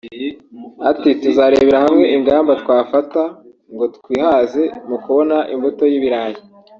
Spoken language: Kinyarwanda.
Ati “Tuzarebera hamwe ingamba twafata ngo twihaze mu kubona imbuto y’ibirayi